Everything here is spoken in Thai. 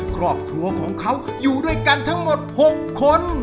ครอบครัวของเขาอยู่ด้วยกันทั้งหมด๖คน